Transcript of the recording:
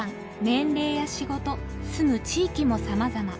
年齢や仕事住む地域もさまざま。